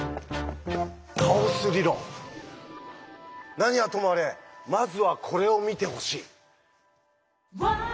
何はともあれまずはこれを見てほしい。